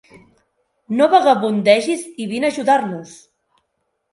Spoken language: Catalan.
No vagabundegis i vine a ajudar-nos!